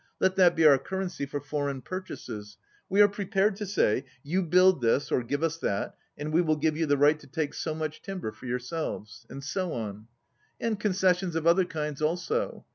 Let that be our currency for foreign purchases. We are prepared to say, 'You build this, or give us that, and we will give you the right to take so much timber for yourselves.' And so on. And concessions of other kinds also.